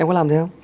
em có làm thế không